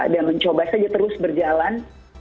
dan mencoba saja terus berjalan